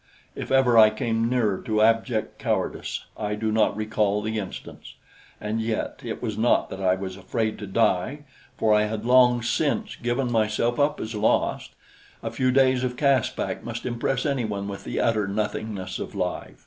If ever I came nearer to abject cowardice, I do not recall the instance; and yet it was not that I was afraid to die, for I had long since given myself up as lost a few days of Caspak must impress anyone with the utter nothingness of life.